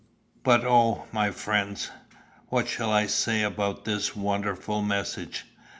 "But O, my friends, what shall I say about this wonderful message?